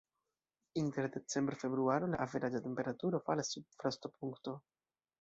Inter decembro-februaro la averaĝa temperaturo falas sub frostopunkto.